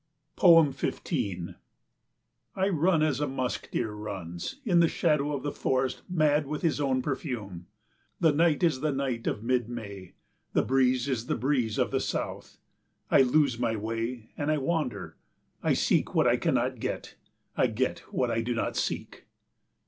15 I run as a musk deer runs in the shadow of the forest mad with his own perfume. The night is the night of mid May, the breeze is the breeze of the south. I lose my way and I wander, I seek what I cannot get, I get what I do not seek.